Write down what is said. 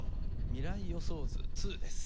『未来予想図Ⅱ』です。